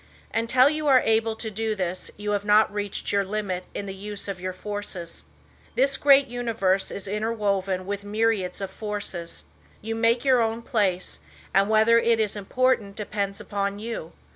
Until you are able to do this you have not reached your limit in the use of your forces. This great universe is interwoven with myriads of forces. You make your own place, and whether it is important depends upon you.